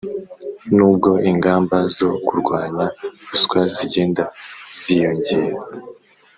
Nubwo ingamba zo kurwanya ruswa zigenda ziyongera,